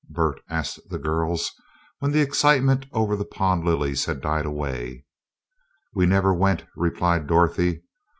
Bert asked the girls, when the excitement over the pond lilies had died away. "We never went," replied Dorothy.